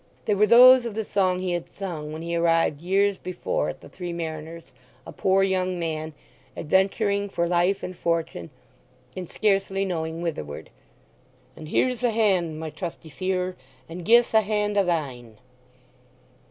They were those of the song he had sung when he arrived years before at the Three Mariners, a poor young man, adventuring for life and fortune, and scarcely knowing witherward:— "And here's a hand, my trusty fiere, And gie's a hand o' thine."